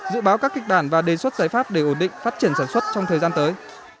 dự báo các kịch bản và đề xuất giải pháp để ổn định phát triển sản xuất trong thời gian tới